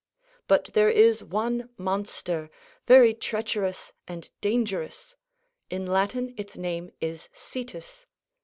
But there is one monster, very treacherous and dangerous. In Latin its name is Cetus.